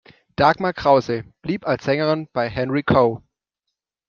Dagmar Krause blieb als Sängerin bei Henry Cow.